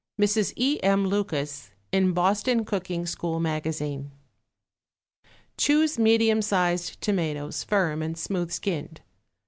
= (MRS. E. M. LUCAS, IN BOSTON COOKING SCHOOL MAGAZINE.) Choose medium sized tomatoes, firm and smooth skinned.